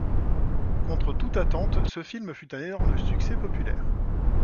Contre toute attente ce film fut un énorme succès populaire.